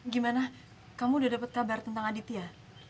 gimana kamu udah dapet kabar tentang aditya